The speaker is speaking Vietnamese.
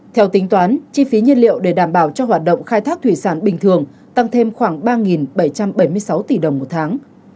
theo tính toán chi phí nhiên liệu để đảm bảo cho hoạt động khai thác thủy sản bình thường tăng thêm khoảng ba bảy trăm bảy mươi sáu tỷ đồng một tháng